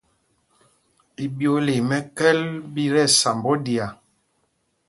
Iɓyōōla í mɛ́kɛ́l ɓí tí ɛsamb oɗiá.